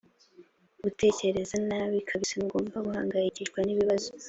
utekereza nabi kabisa.ntugomba guhangayikishwa nibibazo.